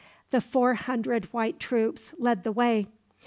The four hundred white troops led the way.